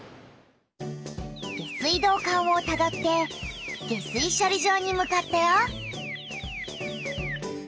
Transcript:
下水道管をたどって下水しょり場にむかったよ。